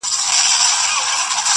د ظالم لور.